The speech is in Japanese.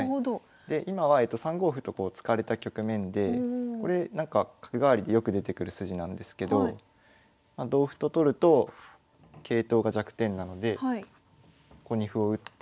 今は３五歩と突かれた局面でこれ角換わりでよく出てくる筋なんですけど同歩と取ると桂頭が弱点なのでここに歩を打って。